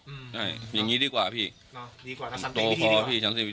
อืมใช่อย่างงี้ดีกว่าพี่อ๋อดีกว่านักสรรพิธีดีกว่าตัวพอพี่